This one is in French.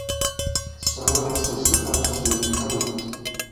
Son nom reste cependant sur les bulletins de vote.